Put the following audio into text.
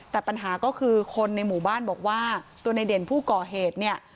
แต่ปัญหาก็คือคนในหมู่บ้านบอกว่าตัวในเด่นผู้ก่อเหตุเนี่ย